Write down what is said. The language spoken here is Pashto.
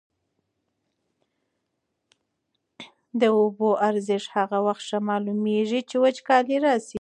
د اوبو ارزښت هغه وخت ښه معلومېږي چي وچکالي راسي.